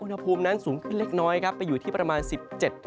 อุณหภูมินั้นสูงขึ้นเล็กน้อยครับ